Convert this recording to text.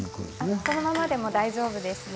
そのままでも大丈夫です。